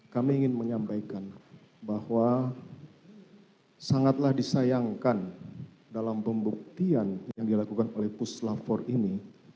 kami ingin menyampaikan bahwa sangatlah disayangkan dalam pembuktian yang dilakukan oleh puslap empat ini